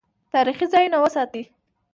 تاریخي ځایونه وساتئ